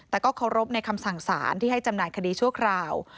แต่ก็เคารพในคำสั่งสารที่ให้จำหน่ายคดีชั่วคราว